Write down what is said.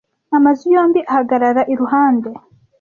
Amazu yombi ahagarara iruhande.